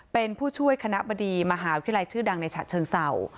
เป็นผู้ช่วยคณะบดีมหาวิทยาลัยชื่อดังในฉะเชิงเศร้า